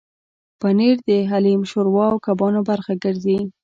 پنېر د حلیم، شوروا او کبابو برخه ګرځي.